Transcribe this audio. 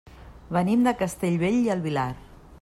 Venim de Castellbell i el Vilar.